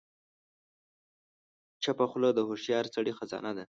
چپه خوله، د هوښیار سړي خزانه ده.